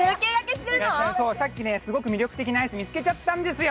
さっきね、すごく魅力的なアイスを見つけちゃったんですよ。